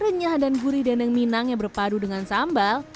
renyah dan gurih dendeng minang yang berpadu dengan sambal